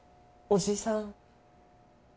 おじさん！